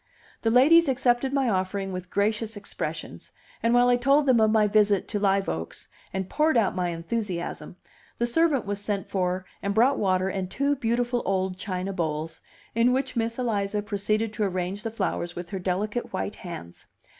The ladies accepted my offering with gracious expressions, and while I told them of my visit to Live Oaks, and poured out my enthusiasm, the servant was sent for and brought water and two beautiful old china bowls, in which Miss Eliza proceeded to arrange the flowers with her delicate white hands.